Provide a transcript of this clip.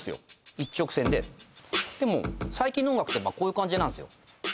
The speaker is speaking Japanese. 一直線ででも最近の音楽ってまあこういう感じなんすよ